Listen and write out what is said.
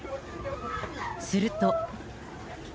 すると。